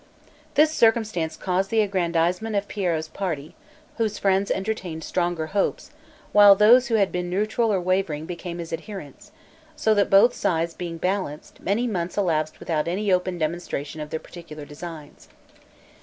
This circumstance caused the aggrandizement of Piero's party, whose friends entertained stronger hopes, while those who had been neutral or wavering became his adherents; so that both sides being balanced, many months elapsed without any open demonstration of their particular designs.